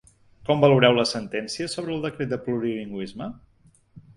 Com valoreu la sentència sobre el decret de plurilingüisme?